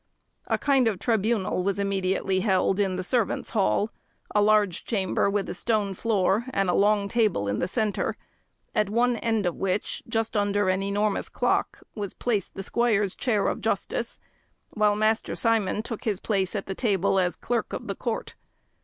A kind of tribunal was immediately held in the servants' hall, a large chamber with a stone floor and a long table in the centre, at one end of which, just under an enormous clock, was placed the squire's chair of justice, while Master Simon took his place at the table as clerk of the court.